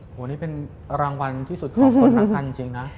โหนี่เป็นรางวัลที่สุดของคนทางท่านจริงนะ